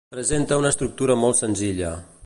Presenta una estructura molt senzilla.